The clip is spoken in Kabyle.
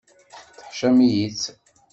Teḥcam-iyi-tt.